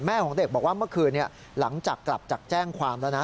ของเด็กบอกว่าเมื่อคืนหลังจากกลับจากแจ้งความแล้วนะ